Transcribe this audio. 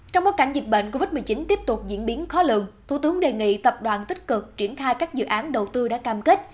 trong bối cảnh dịch bệnh covid một mươi chín tiếp tục diễn biến khó lường thủ tướng đề nghị tập đoàn tích cực triển khai các dự án đầu tư đã cam kết